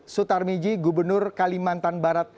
sutar miji gubernur kalimantan barat